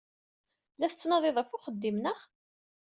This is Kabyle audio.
La tettnadid ɣef uxeddim, naɣ?